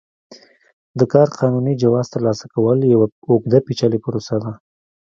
د کار قانوني جواز ترلاسه کول یوه اوږده پېچلې پروسه ده.